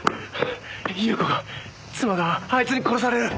裕子が妻があいつに殺される。